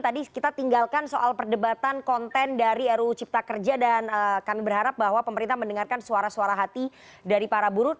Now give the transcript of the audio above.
tadi kita tinggalkan soal perdebatan konten dari ruu cipta kerja dan kami berharap bahwa pemerintah mendengarkan suara suara hati dari para buruh